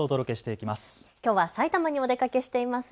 きょうは埼玉にお出かけしていますね。